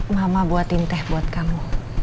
mama buatin teh buat kamu